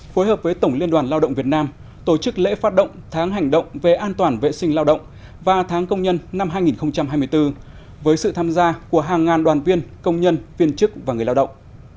phối hợp với tổng liên đoàn lao động việt nam tổ chức lễ phát động tháng hành động về an toàn vệ sinh lao động và tháng công nhân năm hai nghìn hai mươi bốn với sự tham gia của hàng ngàn đoàn viên công nhân viên chức và người lao động